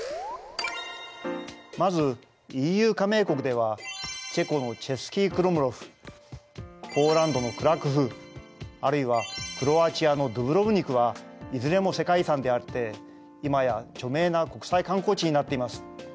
まずＥＵ加盟国ではチェコのチェスキークルムロフポーランドのクラクフあるいはクロアチアのドゥブロヴニクはいずれも世界遺産であって今や著名な国際観光地になっています。